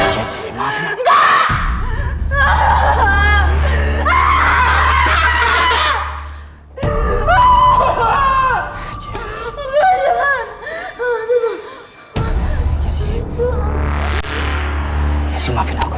jessi maafkan aku